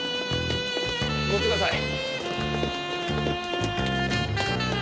乗ってください。